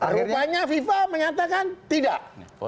rupanya viva menyatakan tidak